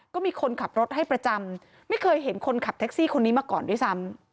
ก็มีคนขับรถให้ประจำไม่เคยเห็นคนขับแท็กซี่คนนี้มาก่อนด้วยซ้ำ